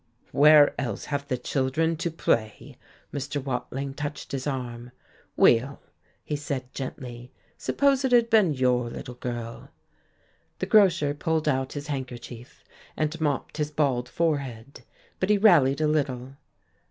"Where else have the children to play?" Mr. Watling touched his arm. "Weill," he said gently, "suppose it had been your little girl?" The grocer pulled out his handkerchief and mopped his bald forehead. But he rallied a little.